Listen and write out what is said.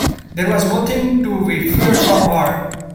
There was nothing to be feared from her.